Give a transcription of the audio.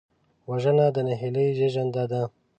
وژنه د نهیلۍ زېږنده ده